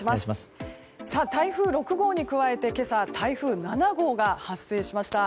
台風６号に加えて今朝、台風７号が発生しました。